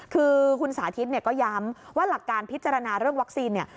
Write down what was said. คือคุณสาธิตเนี่ยก็ย้ำว่าหลักการพิจารณาเรื่องวัคซีนเนี่ย